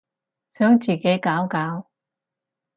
想自己搞搞